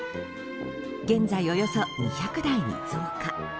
現在およそ２００台に増加。